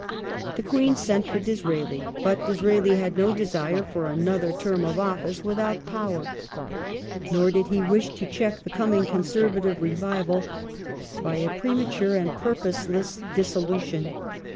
The Queen sent for Disraeli, but Disraeli had no desire for another term of office without power, nor did he wish to check the coming Conservative revival by a premature and purposeless dis solution.